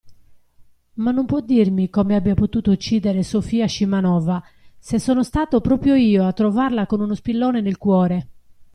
Ma non può dirmi come abbia potuto uccidere Sofia Scimanova, se sono stato proprio io a trovarla con uno spillone nel cuore!